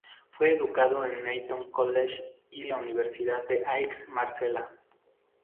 Fue educado en Eton College y la Universidad de Aix-Marsella.